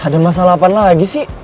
ada masalah apa lagi sih